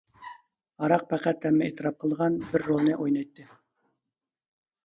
ھاراق پەقەت ھەممە ئېتىراپ قىلىدىغان بىر رولنى ئوينايتتى.